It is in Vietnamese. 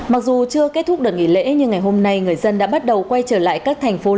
mặc dù chưa kết thúc đợt nghỉ lễ nhưng ngày hôm nay người dân đã bắt đầu quay trở lại các thành phố lớn